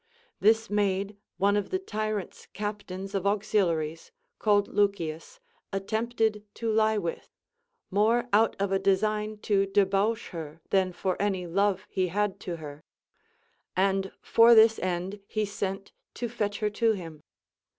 This maid one of the tyrant's captains of auxiliaries, called Lucius, attempted to lie with, more out of a design to debauch her than for any love he had to her ; and for this end he sent to fetch her to him.